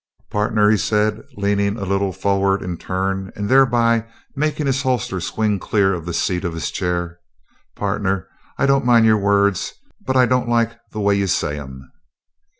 "Partner," he said, leaning a little forward in turn, and thereby making his holster swing clear of the seat of his chair, "partner, I don't mind your words, but I don't like the way you say 'em."